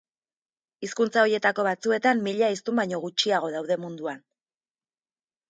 Hizkuntza horietako batzuetan mila hiztun baino gutxiago daude munduan.